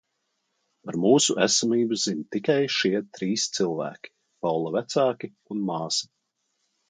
Par mūsu esamību zin tikai šie trīs cilvēki: Paula vecāki un māsa.